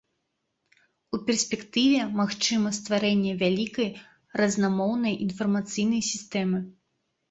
У перспектыве магчыма стварэнне вялікай разнамоўнай інфармацыйнай сістэмы.